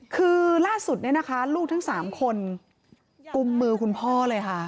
คือล่าสุดเนี่ยนะคะลูกทั้ง๓คนกุมมือคุณพ่อเลยค่ะ